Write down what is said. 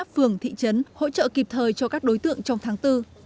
phường thị trấn hỗ trợ kịp thời cho các đối tượng trong tháng bốn